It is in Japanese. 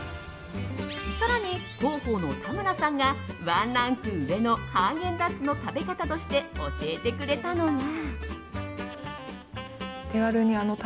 更に、広報の田村さんがワンランク上のハーゲンダッツの食べ方として教えてくれたのが。